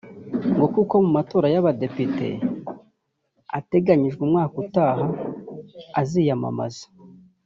ngo kuko mu matora y’Abadepite ateganijwe umwaka utaha aziyamamaza